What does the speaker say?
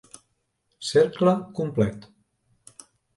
Cercle complet